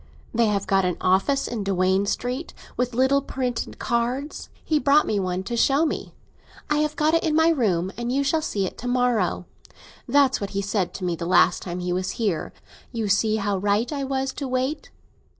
They have got an office in Duane Street, and little printed cards; he brought me one to show me. I have got it in my room, and you shall see it to morrow. That's what he said to me the last time he was here—'You see how right I was to wait!